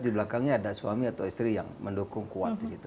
di belakangnya ada suami atau istri yang mendukung kuat